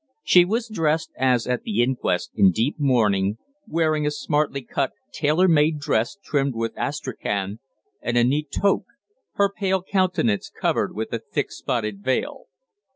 She was dressed, as at the inquest, in deep mourning, wearing a smartly cut tailor made dress trimmed with astrachan and a neat toque, her pale countenance covered with a thick spotted veil.